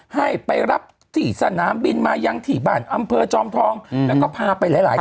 ให้ไปรับที่สนามบินมายังที่บ้านอำเภอจอมทองแล้วก็พาไปหลายหลาย